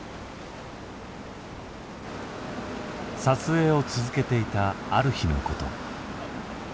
撮影を続けていたある日のこと。